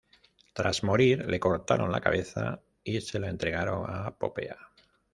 Tras morir, le cortaron la cabeza y se la entregaron a Popea.